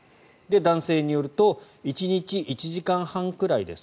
男性によると１日１時間半くらいです。